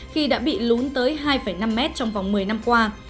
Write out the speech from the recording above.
khi đã bị lún tới hai năm mét trong vòng một mươi năm qua